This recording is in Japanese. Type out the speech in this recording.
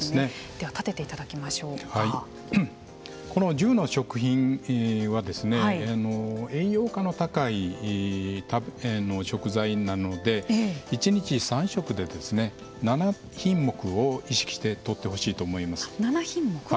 では、立ててこの１０の食品は栄養価の高い食材なので１日３食で７品目を意識してとってほしいと思います。